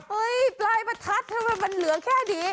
ปลายประทัดทำไมมันเหลือแค่นี้